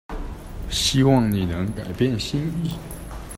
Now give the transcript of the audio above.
希望你能改變心意